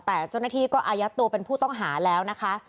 แต่เจ้าหน้าที่ก็อายัดตัวเป็นผู้ต้องหาแล้วนะคะ